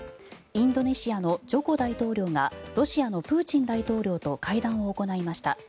インドネシアのジョコ大統領がロシアのプーチン大統領と会談を行いました。